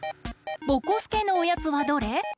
ぼこすけのおやつはどれ？